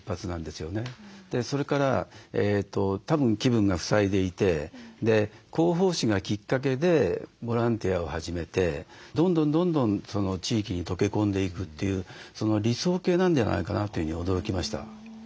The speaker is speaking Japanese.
それからたぶん気分がふさいでいて広報誌がきっかけでボランティアを始めてどんどんどんどん地域に溶け込んでいくという理想形なんではないかなというふうに驚きました。